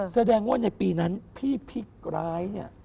แสดงว่าในปีนั้นพี่กลาย